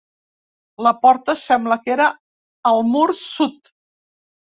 La porta sembla que era al mur sud.